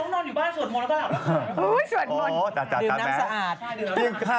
โลกโซเชียลหรือโลกของคุณ